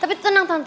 tapi tenang tante